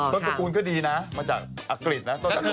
ต้นประกูลก็ดีนะมาจากอักฤษนะ